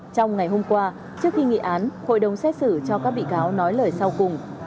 trong ngày hôm qua trước khi nghị án hội đồng xét xử cho các bị cáo nói lời sau cùng